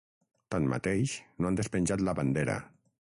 Tanmateix, no han despenjat la bandera.